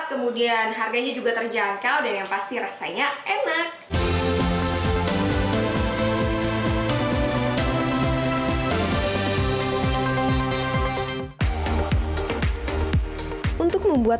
kemudian harganya juga terjangkau dan yang pasti rasanya enak untuk membuat